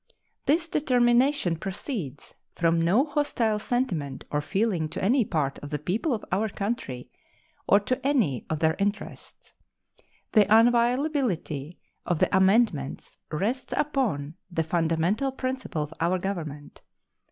This determination proceeds from no hostile sentiment or feeling to any part of the people of our country or to any of their interests. The inviolability of the amendments rests upon the fundamental principle of our Government.